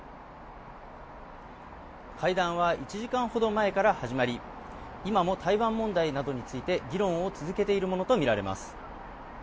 会談は１時間ほど前から始まり、今も台湾問題などについて議論を続けているものとみられます。